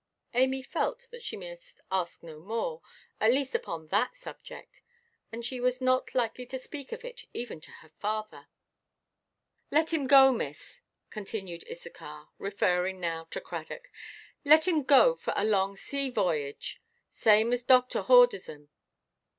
Amy felt that she must ask no more, at least upon that subject; and that she was not likely to speak of it even to her father. "Let him go, miss," continued Issachar, referring now to Cradock; "let him go for a long sea–vohoyage, same as doctor horders un.